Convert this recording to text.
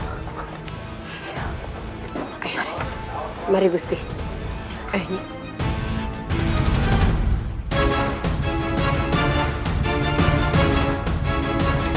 sepertinya ada penyusup